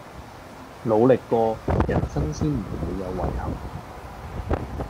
努力過人生先唔會有遺憾